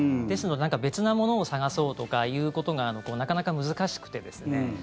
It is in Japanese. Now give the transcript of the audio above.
ですので別なものを探そうとかいうことがなかなか難しくてですね